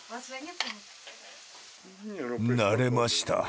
慣れました。